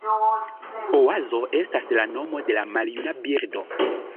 Oazo estas la nomo de maljuna birdo.